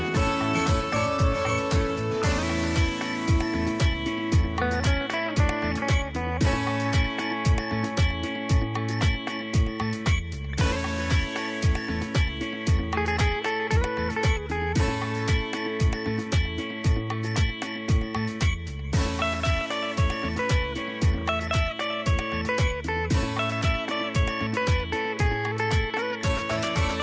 โปรดติดตามตอนต่อไป